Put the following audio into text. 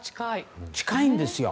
近いんですよ。